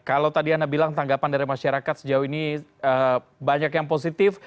kalau tadi anda bilang tanggapan dari masyarakat sejauh ini banyak yang positif